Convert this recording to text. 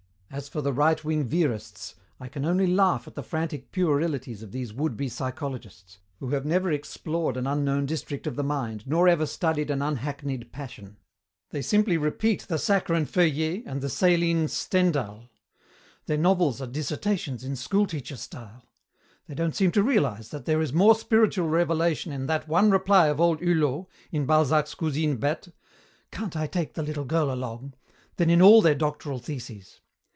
As for the right wing verists, I can only laugh at the frantic puerilities of these would be psychologists, who have never explored an unknown district of the mind nor ever studied an unhackneyed passion. They simply repeat the saccharine Feuillet and the saline Stendhal. Their novels are dissertations in school teacher style. They don't seem to realize that there is more spiritual revelation in that one reply of old Hulot, in Balzac's Cousine Bette, 'Can't I take the little girl along?' than in all their doctoral theses.